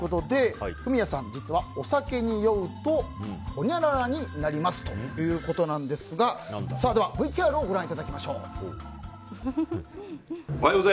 フミヤさん、実はお酒に酔うとほにゃららになりますということなんですがではＶＴＲをご覧いただきましょう。